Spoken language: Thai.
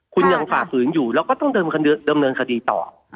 คุณยังฝ่าฝืนอยู่แล้วก็ต้องดำเนินคดีต่อ